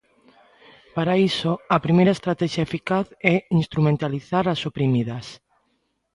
Para iso, a primeira estratexia eficaz é instrumentalizar as oprimidas.